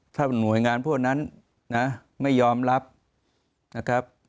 ถ้าหน่วยงานพวกนั้นนะไม่ยอมรับนะครับ